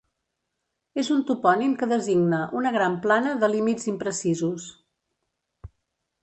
És un topònim que designa una gran plana de límits imprecisos.